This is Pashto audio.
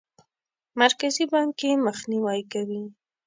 مرکزي بانک یې مخنیوی کوي.